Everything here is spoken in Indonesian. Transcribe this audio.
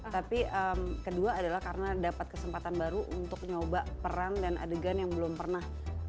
tapi kedua adalah karena dapat kesempatan baru untuk nyoba peran dan adegan yang belum pernah